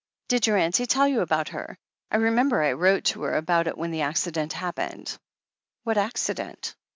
Did your auntie tell .you about her ?— I re member I wrote to her about it when the accident happened." "What accident?"